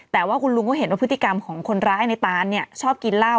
แต่ว่าคุณลุงก็เห็นว่าพฤติกรรมของคนร้ายในตานเนี่ยชอบกินเหล้า